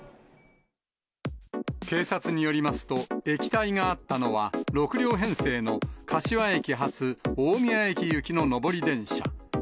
警察によりますと、液体があったのは６両編成の柏駅発大宮駅行きの上り電車。